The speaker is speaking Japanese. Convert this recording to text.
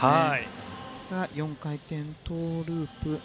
４回転トウループ。